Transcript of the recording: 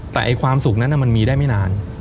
แต่ความสุขนั้นมันมีได้ไม่นาน